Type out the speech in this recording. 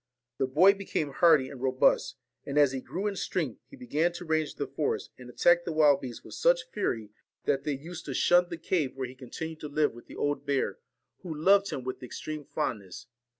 The boy became hardy and robust; and as he grew in strength he began to range the forest, and attack the wild beasts with such fury that they 38 used to shun the cave where he continued to live VALEN with the old bear, who loved him with extreme fondness.